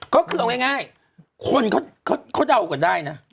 ก็คือเอาง่ายคนเขาเดากันได้นะ